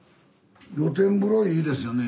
露天風呂いいですよね。